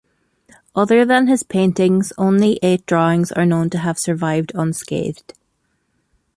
Other than his paintings, only eight drawings are known to have survived unscathed.